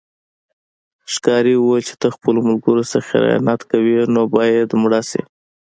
ښکاري وویل چې ته خپلو ملګرو سره خیانت کوې نو باید مړه شې.